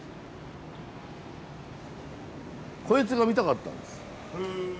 こいつが見たかったんです。